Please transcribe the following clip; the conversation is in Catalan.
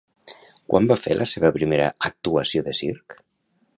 Quan va fer la seva primera actuació de circ?